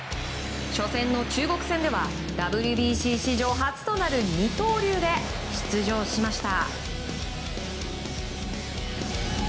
初戦の中国戦ではＷＢＣ史上初となる二刀流で出場しました。